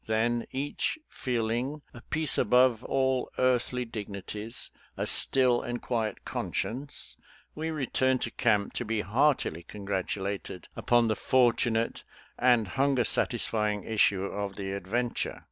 Then each feeling "A peace above all earthly dignities — A still and quiet conscience," we returned to camp to be heartily congratulated upon the fortunate and hunger satisfying issue of the adventure.